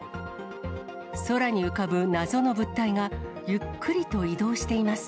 空に浮かぶ謎の物体が、ゆっくりと移動しています。